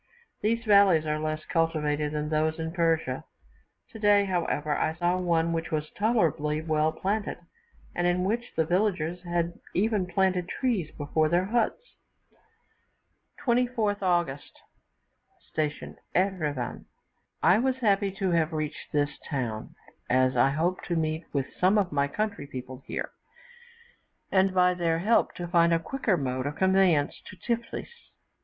These valleys are less cultivated than those in Persia; today, however, I saw one which was tolerably well planted, and in which the villagers had even planted trees before their huts. 24th August. Station Erivan. I was happy to have reached this town, as I hoped to meet with some of my country people here, and, by their help, to find a quicker mode of conveyance to Tiflis.